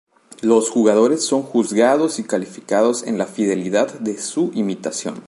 Los jugadores son juzgados y calificados en la fidelidad de su imitación.